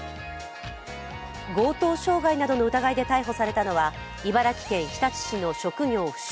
強盗傷害などの疑いで逮捕されたのは茨城県日立市の職業不詳